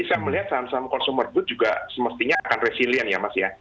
saya melihat saham saham consumer good juga semestinya akan resilient ya mas ya